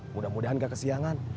mudah mudahan nggak kesiangan